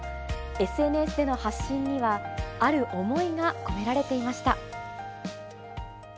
ＳＮＳでの発信には、ある思いが込められていました。